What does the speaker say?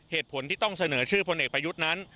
เหตุผลที่ต้องเสนอชื่อพลเอกประยุทธ์นั้น